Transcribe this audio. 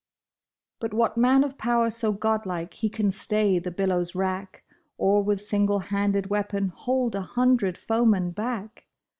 But what man of power so godlike he can stay the billow's wrack, Or with single handed weapon hold an hundred foe men back